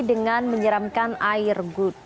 dengan menyeramkan air gut